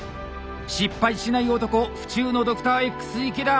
失敗しない男府中のドクターＸ池田。